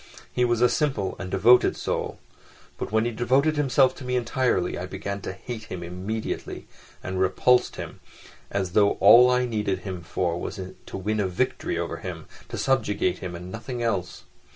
He was a simple and devoted soul; but when he devoted himself to me entirely I began to hate him immediately and repulsed him—as though all I needed him for was to win a victory over him, to subjugate him and nothing else.